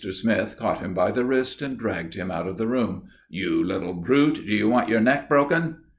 Smith caught him by the wrist and dragged him out of the room. "You little brute! Do you want your neck broken?"